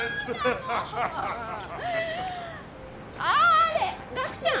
もうあれ岳ちゃん